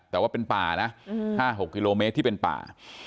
แต่ว่าเป็นป่านะ๕๖กิโลเมตรที่เป็นป่า